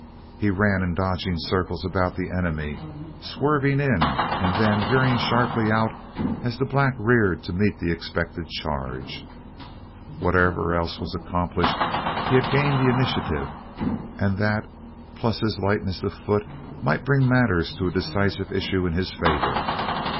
He ran in dodging circles about the enemy, swerving in and then veering sharply out as the black reared to meet the expected charge. Whatever else was accomplished, he had gained the initiative and that plus his lightness of foot might bring matters to a decisive issue in his favor.